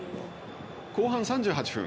後半３８分。